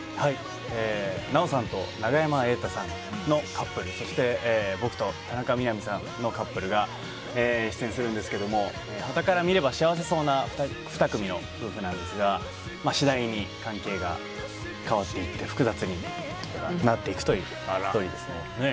奈緒さんと永山瑛太さんのカップルそして僕と田中みな実さんのカップルが出演するんですけどはたから見れば幸せそうな２組の夫婦ですが次第に関係が変わっていって複雑になっていくというストーリーです。